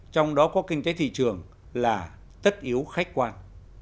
trong đó có kinh tế thị trường là tất yếu khách quan